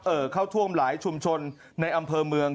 เข้าท่วมหลายชุมชนในอำเภอเมือง